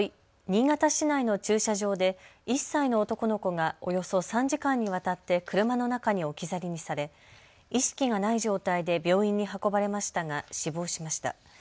新潟市内の駐車場で１歳の男の子がおよそ３時間にわたって車の中に置き去りにされ意識がない状態で病院に運ばれましたが死亡しました。